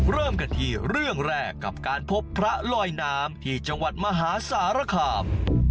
เริ่มกันที่เรื่องแรกกับการพบพระลอยน้ำที่จังหวัดมหาสารคาม